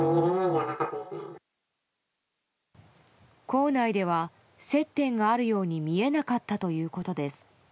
校内では接点があるように見えなかったということです。